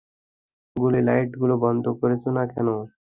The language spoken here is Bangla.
ওলি, লাইটগুলো বন্ধ করছো না কেনো?